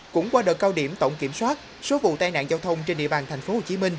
cũng qua đợt cao điểm tổng kiểm soát số vụ tai nạn giao thông trên địa bàn tp hcm